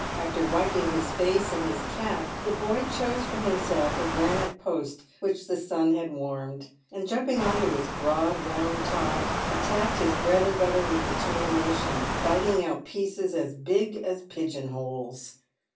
After wiping his face in his cap, the boy chose for himself a granite post which the sun had warmed, and jumping on to its broad, round top, attacked his bread and butter with determination, biting out pieces as big as pigeon holes.